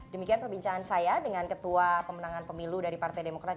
demikian perbincangan saya dengan ketua pemenangan pemilu dari partai demokrat